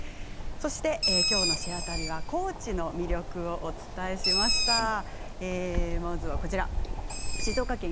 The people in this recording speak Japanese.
そして、きょうの「シェア旅」は高知の魅力をお伝えしました。